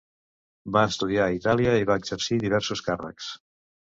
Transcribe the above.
Va estudiar a Itàlia i va exercir diversos càrrecs.